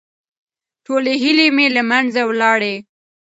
ټولې هيلې مې له منځه ولاړې.